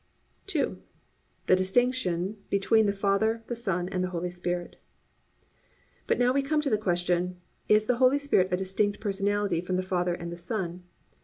II. THE DISTINCTION BETWEEN THE FATHER, THE SON AND THE HOLY SPIRIT But now we come to the question, Is the Holy Spirit a distinct personality from the Father and from the Son?